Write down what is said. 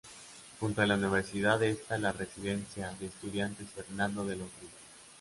Junto a la universidad está la residencia de estudiantes Fernando de los Ríos.